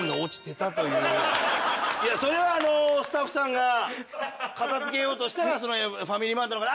それはあのスタッフさんが片付けようとしたらそのファミリーマートの方